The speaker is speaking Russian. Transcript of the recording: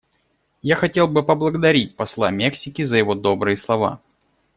Я хотел бы поблагодарить посла Мексики за его добрые слова.